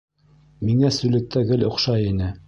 Миңә сүллектә гел оҡшай ине.